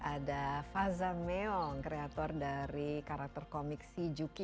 ada faza meong kreator dari karakter komik si juki